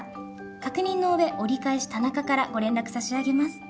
確認の上折り返し田中からご連絡さしあげます。